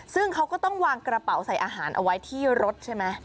ซึ่งเขาก็ต้องวางกระเป๋าใส่อาหารเอาไว้ที่รถใช่ไหม